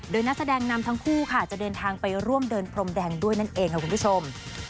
โดยนักแสดงนำทั้งคู่ค่ะจะเดินทางไปร่วมเดินพรมแดงด้วยนั่นเองค่ะคุณผู้ชม